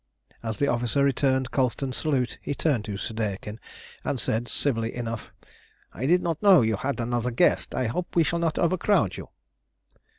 As the officer returned Colston's salute he turned to Soudeikin and said civilly enough "I did not know you had another guest. I hope we shall not overcrowd you."